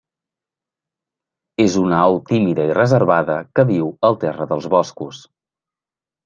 És una au tímida i reservada, que viu al terra dels boscos.